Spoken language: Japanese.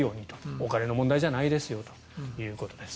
お金の問題じゃないですよということです。